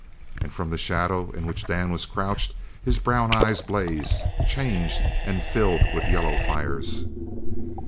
And from the shadow in which Dan was crouched his brown eyes blazed, changed, and filled with yellow fires.